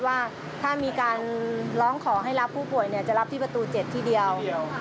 ว่าถ้ามีการร้องขอให้รับผู้ป่วยจะรับที่ประตู๗ที่เดียว